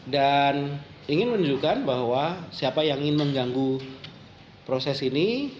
dan ingin menunjukkan bahwa siapa yang ingin mengganggu proses ini